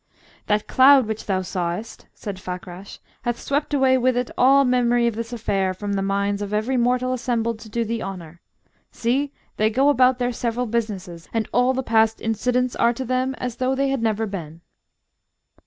"That cloud which thou sawest," said Fakrash, "hath swept away with it all memory of this affair from the minds of every mortal assembled to do thee honour. See, they go about their several businesses, and all the past incidents are to them as though they had never been."